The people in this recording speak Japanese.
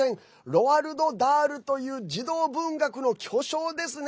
ロアルド・ダールという児童文学の巨匠ですね。